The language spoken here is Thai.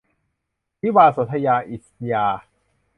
วิวาห์สนธยา - อิสย่าห์